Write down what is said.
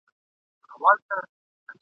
نوې ورځ نوی هیواد سي نوي نوي پلټنونه ..